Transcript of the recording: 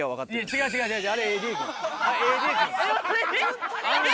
違う違う違う。